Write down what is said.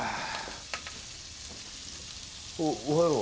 おっおはよう。